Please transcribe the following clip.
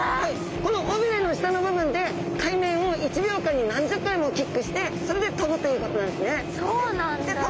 この尾びれの下の部分で海面を１秒間に何十回もキックしてそれで飛ぶということなんですね。